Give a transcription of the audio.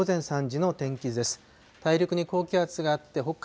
では午前３時の天気図です。